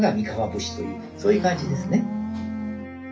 というそういう感じですね。